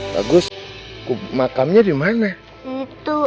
bagus makamnya di mana